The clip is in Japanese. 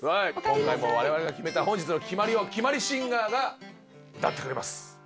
今回も我々が決めた本日のキマリをキマリシンガーが歌ってくれます。